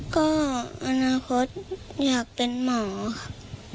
ก็อนาคตอยากเป็นหมอครับ